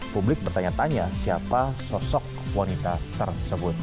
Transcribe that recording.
publik bertanya tanya siapa sosok wanita tersebut